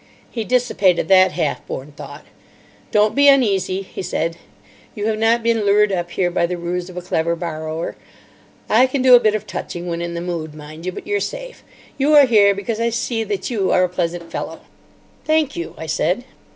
He dissipated that half born thought. "Don't be uneasy," he said; "you have not been lured up here by the ruse of a clever borrower. I can do a bit of touching when in the mood, mind you, but you're safe. You are here because I see that you are a pleasant fellow." "Thank you," I said.